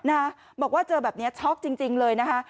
นะบอกว่าเจอแบบนี้ช็อกจริงเลยนะคะ